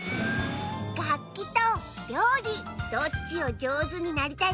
がっきとりょうりどっちをじょうずになりたいかきめた？